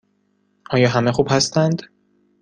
آیا همه خوب هستند؟